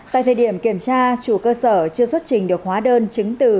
tại thời điểm kiểm tra chủ cơ sở chưa xuất trình được hóa đơn chứng từ